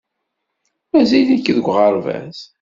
Mazal-ik deg uɣerbaz.